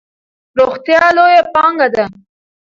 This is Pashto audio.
روغتیا لویه پانګه ده.